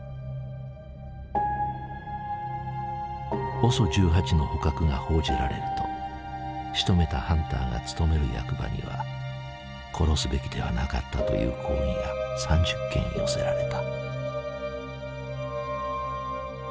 ＯＳＯ１８の捕獲が報じられるとしとめたハンターが勤める役場には殺すべきではなかったという抗議が３０件寄せられた。